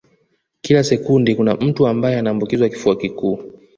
Kila sekunde kuna mtu ambaye anaambukizwa kifua kikuu